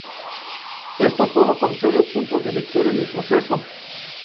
Esto sólo concede puntos de victoria en el proceso.